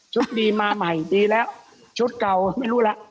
ดีมาใหม่ดีแล้วชุดเก่าไม่รู้แล้ว